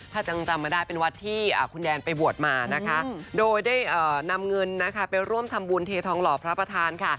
ถ้าจำเป็นวัดที่คุณแดนไปบวชมาโดยได้นำเงินไปร่วมทำบุญเททองหล่อพระประธาน